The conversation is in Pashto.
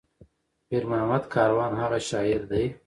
پير محمد کاروان هغه شاعر دى